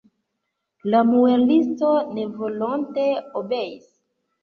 La muelisto nevolonte obeis.